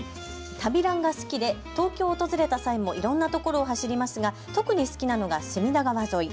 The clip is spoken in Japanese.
旅ランが好きで東京を訪れた際にもいろんなところを走りますが特に好きなのが隅田川沿い。